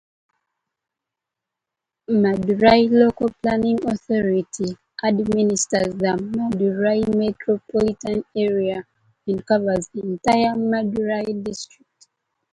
Madurai Local Planning Authority administers the Madurai metropolitan area and covers entire Madurai district.